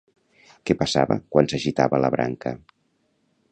Què passava quan s'agitava la branca?